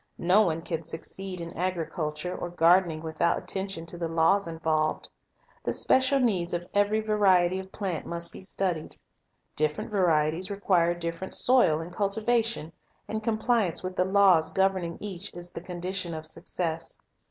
No one can succeed in agriculture or gardening without attention to the laws involved. The special needs of every variety of plant must be studied. i i 2 Na t u re Tc a c h i ng Different varieties require different soil and cultivation, and compliance with the laws governing each is the condition of success.